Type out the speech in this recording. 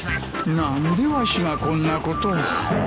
何でわしがこんなことを。